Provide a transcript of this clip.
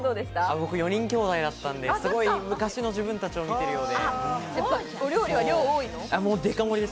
僕、４人きょうだいだったので昔の自分たちを見ているようです。